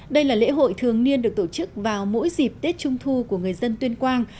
đây là lễ hội thường niên được tổ chức vào mỗi dịp tết trung thu của người dân tuyên quang